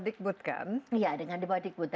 digbud kan iya dengan di bawah digbud